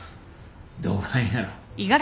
どがんやろう。